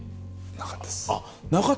なかったんですか。